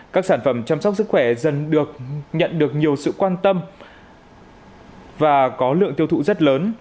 các sản phẩm chăm sóc sức khỏe dần được nhận được nhiều sự quan tâm và có lượng tiêu thụ rất lớn